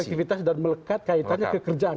efektivitas dan melekat kaitannya ke kerjaan